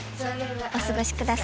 お過ごしください